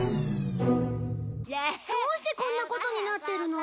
どうしてこんなことになってるの？